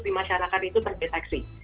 di masyarakat itu terdeteksi